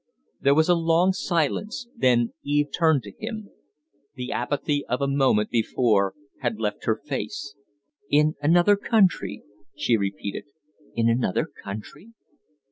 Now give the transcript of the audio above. There was a long silence; then Eve turned to him. The apathy of a moment before had left her face. "In another country?" she repeated. "In another country?"